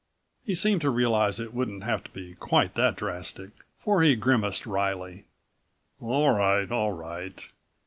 He seemed to realize it wouldn't have to be quite that drastic, for he grimaced wryly. "All right, all right.